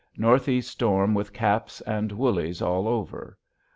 North Est storm With Caps and Wullys all over.